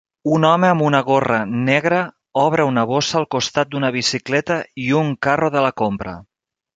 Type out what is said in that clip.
Un home amb una gorra negra obre una bossa al costat d'una bicicleta i un carro de la compra.